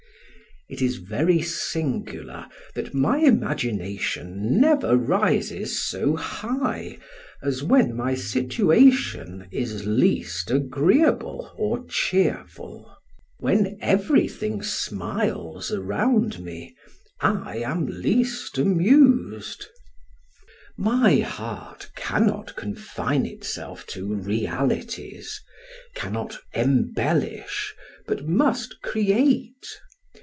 It is very singular that my imagination never rises so high as when my situation is least agreeable or cheerful. When everything smiles around me, I am least amused; my heart cannot confine itself to realities, cannot embellish, but must create.